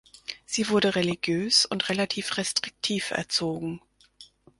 Sie wurde religiös und relativ restriktiv erzogen.